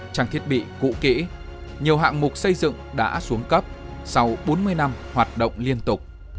trang thiết bị cũ kỹ nhiều hạng mục xây dựng đã xuống cấp sau bốn mươi năm hoạt động liên tục